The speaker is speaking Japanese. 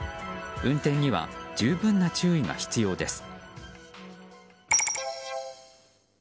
運転には十分な注意が必要です。